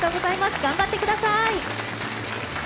頑張って下さい！